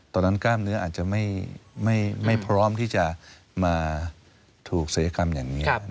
กล้ามเนื้ออาจจะไม่พร้อมที่จะมาถูกศัยกรรมอย่างนี้